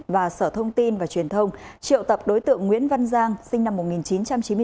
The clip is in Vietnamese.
và sở thông tin và truyền thông triệu tập đối tượng nguyễn văn giang sinh năm một nghìn chín trăm chín mươi bốn